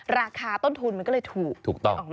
ราคาต้นทุนก็เลยถูก